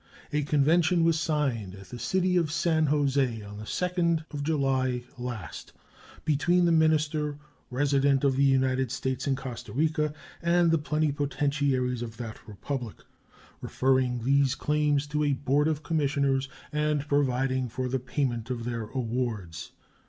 A convention was signed at the city of San Jose on the 2d July last, between the minister resident of the United States in Costa Rica and the plenipotentiaries of that Republic, referring these claims to a board of commissioners and providing for the payment of their awards.